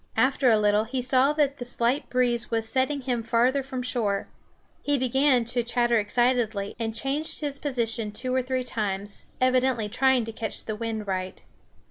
After a little he saw that the slight breeze was setting him farther from shore. He began to chatter excitedly, and changed his position two or three times, evidently trying to catch the wind right.